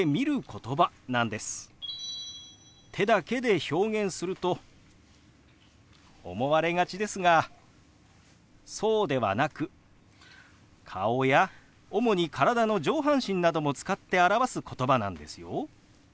手だけで表現すると思われがちですがそうではなく顔や主に体の上半身なども使って表すことばなんですよ。